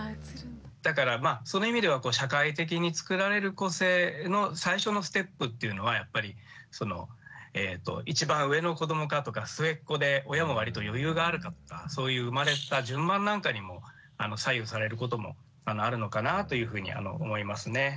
だからその意味では社会的に作られる個性の最初のステップっていうのはやっぱり一番上の子どもかとか末っ子で親も割と余裕があるかとかそういう生まれた順番なんかにも左右されることもあるのかなというふうには思いますね。